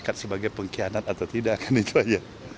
sepakat sebagai pengkhianat atau tidak kan itu aja